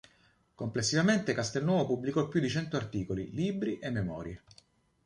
Complessivamente Castelnuovo pubblicò più di cento articoli, libri e memorie.